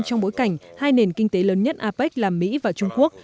trong bối cảnh hai nền kinh tế lớn nhất apec là mỹ và trung quốc